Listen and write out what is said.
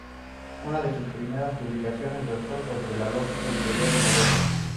Una de sus primeras publicaciones versó sobre lógica y teoría de modelos.